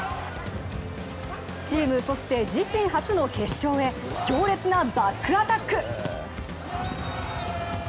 チーム、そして自身初の決勝へ、強烈なバックアタック。